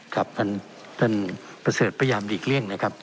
ครับท่านประเสริฐพยายามหลีกเลี่ยงนะครับ